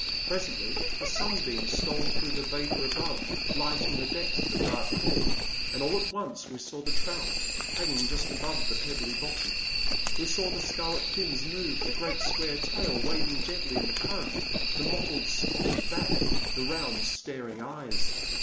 Presently a sunbeam stole through the vapour above, light ing the depths of the dark pool. And all at once we saw the trout, hanging just above the pebbly bottom ; we saw the scarlet fins move, the great square tail waving gently in the current, the mot tled spotted back, the round staring eyes.